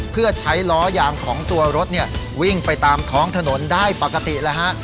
เพื่อใช้ล้อยางของตัวรถเนี่ยวิ่งไปตามท้องถนนได้ปกติแล้วฮะ